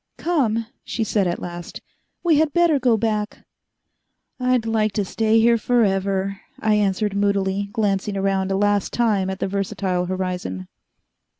"Come," she said at last, "we had better go back." "I'd like to stay here forever," I answered moodily, glancing around a last time at the versatile horizon.